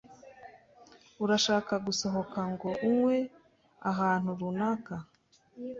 Urashaka gusohoka ngo unywe ahantu runaka?